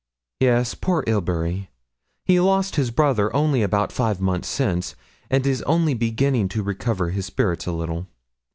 'Yes, poor Ilbury! He lost his brother only about five months since, and is only beginning to recover his spirits a little.